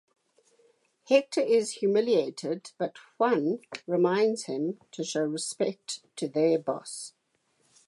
Hector is humiliated but Juan reminds him to show respect to their boss.